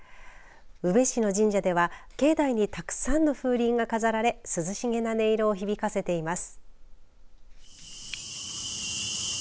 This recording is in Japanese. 宇部市の神社では境内にたくさんの風鈴が飾られ涼しげな音色を響かせています。